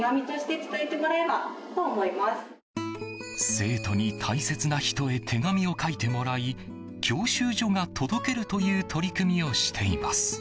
生徒に大切な人へ手紙を書いてもらい教習所が届けるという取り組みをしています。